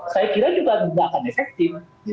saya kira juga tidak akan efektif